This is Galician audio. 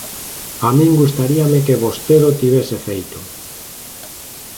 A min gustaríame que vostede o tivese feito.